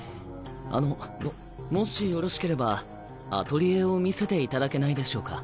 あのもしよろしければアトリエを見せていただけないでしょうか？